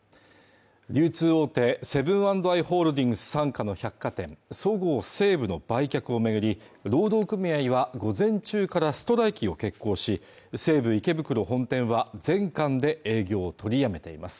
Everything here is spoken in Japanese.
流通大手セブン＆アイ・ホールディングス傘下の百貨店そごう・西武の売却を巡り労働組合は午前中からストライキを決行し西武池袋本店は全館で営業を取りやめています